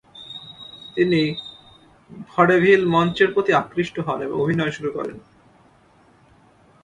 তিনি ভডেভিল মঞ্চের প্রতি আকৃষ্ট হন এবং অভিনয় শুরু করেন।